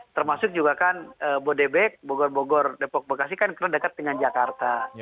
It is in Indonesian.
termasuk juga kan bodebek bogor bogor depok bekasi kan dekat dengan jakarta